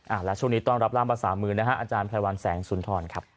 แล้วช่วงนี้ต้องรับร่างภาษามือนะฮะอาจารย์ไพรวัลแสงสุนทรครับ